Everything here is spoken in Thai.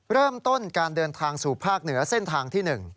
เริ่มต้นการเดินทางสู่ภาคเหนือเส้นทางที่๑